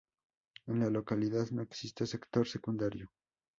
En la localidad no existe sector secundario.